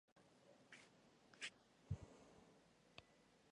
Оладьи из кабачков - полезное и вкусное блюдо.